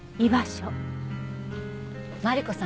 マリコさん